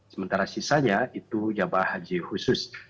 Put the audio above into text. sementara sisanya itu jamaah haji khusus